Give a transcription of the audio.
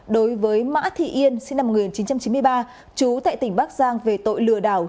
đối với mã thị yên sinh năm một nghìn chín trăm chín mươi ba chú tại tỉnh bắc giang về tội lừa đảo